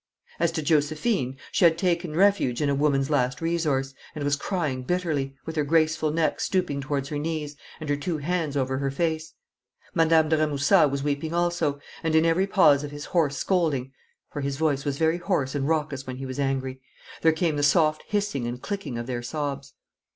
As to Josephine, she had taken refuge in a woman's last resource, and was crying bitterly, with her graceful neck stooping towards her knees and her two hands over her face. Madame de Remusat was weeping also, and in every pause of his hoarse scolding for his voice was very hoarse and raucous when he was angry there came the soft hissing and clicking of their sobs.